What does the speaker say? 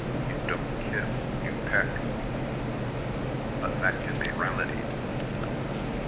You don't kiss, you peck. But that can be remedied.